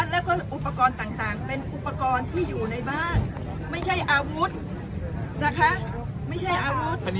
แล้วก็อุปกรณ์ต่างเป็นอุปกรณ์ที่อยู่ในบ้านไม่ใช่อาวุธนะคะไม่ใช่อาวุธ